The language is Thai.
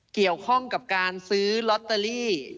เกี่ยวข้องกับการซื้อลอตเตอรี่